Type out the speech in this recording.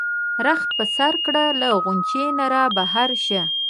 رخت په سر کړه له غُنچې نه را بهر شه.